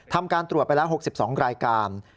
ทำการตรวจไปแล้ว๖๒รายการ